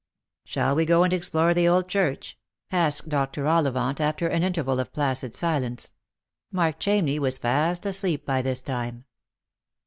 " Shall we go and explore the old church ?" asked Dr. Olli vant, after an interval of placid silence. Mark Chamney was fast asleep by this time.